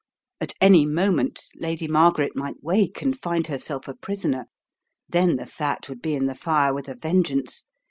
* 9 At any moment Lady Margaret might wake and find herself a prisoner. Then the fat would be in the fire with a vengeance.